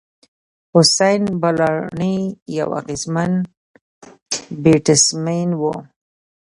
حسېن بلاڼي یو اغېزمن بېټسمېن وو.